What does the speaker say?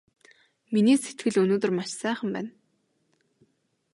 Миний сэтгэл өнөөдөр маш сайхан байна!